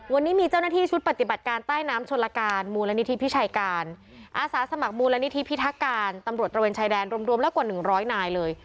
วันนี้มีเจ้าหน้าที่ชุดปฏิบัติการใต้น้ำชนลการมูลนิธิพิชัยการอาสาสมัครมูลนิธิพิทักการตำรวจตระเวนชายแดนรวมแล้วกว่าหนึ่งร้อยนายเลย